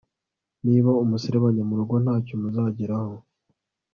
niba umuserebanya murugo ntacyo muzageraho